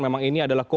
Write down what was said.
memang ini adalah kode